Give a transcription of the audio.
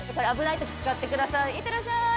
いってらっしゃい。